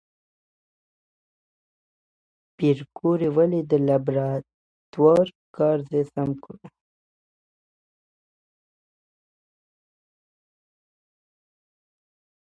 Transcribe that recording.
پېیر کوري ولې د لابراتوار کار ځای سم کړ؟